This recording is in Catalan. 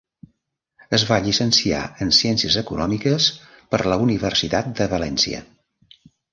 Es va llicenciar en Ciències Econòmiques per la Universitat de València.